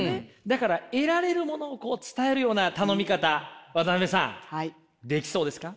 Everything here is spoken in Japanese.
だから得られるものをこう伝えるような頼み方渡辺さんできそうですか？